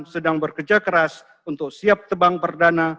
sedang bekerja keras untuk siap tebang perdana